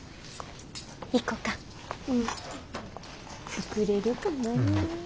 作れるかな？